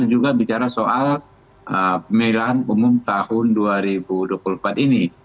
dan juga bicara soal pemilihan umum tahun dua ribu dua puluh empat ini